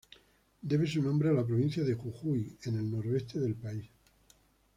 Debe su nombre a la provincia de Jujuy, en el noroeste del país.